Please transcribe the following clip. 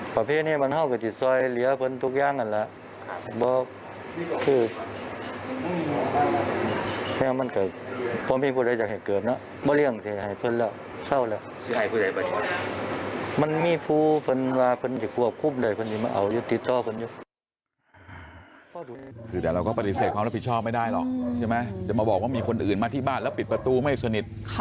แบบนี้โดยจะมาบอกว่ามีคนอื่นมาที่บ้านและปิดประตูไม่สนิท